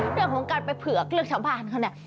เรื่องของการไปเผือกเลือกชาวบ้านเขาเนี่ย